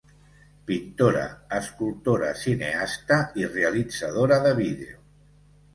Pintora, escultora, cineasta i realitzadora de vídeo.